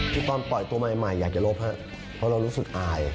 ที่ตอนปล่อยตัวใหม่อยากจะลบครับเพราะเรารู้สึกอาย